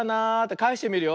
かえしてみるよ。